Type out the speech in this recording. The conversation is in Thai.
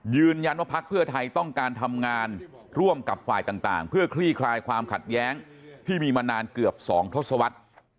ยืนยันว่าพักเพื่อไทยต้องการทำงานร่วมกับฝ่ายต่างเพื่อคลี่คลายความขัดแย้งที่มีมานานเกือบ๒ทศวรรษ